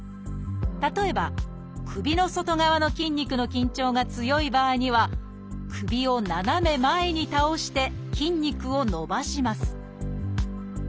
例えば首の外側の筋肉の緊張が強い場合には首を斜め前に倒して筋肉を伸ばします